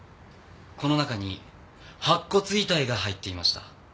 この中に白骨遺体が入っていました。